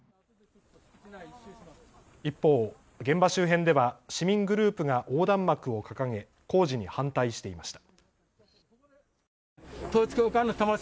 一方、現場周辺では市民グループが横断幕を掲げ工事に反対していました。